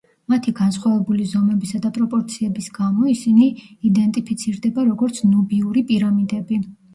მათი განსხვავებული ზომებისა და პროპორციების გამო, ისინი იდენტიფიცირდება როგორც ნუბიური პირამიდები.